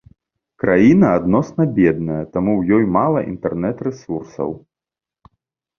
Краіна адносна бедная, таму ў ёй мала інтэрнет-рэсурсаў.